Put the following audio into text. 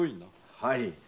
はい。